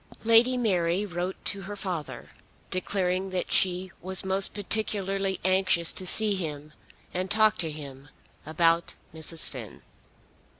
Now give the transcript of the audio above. Lady Mary wrote to her father, declaring that she was most particularly anxious to see him and talk to him about Mrs. Finn.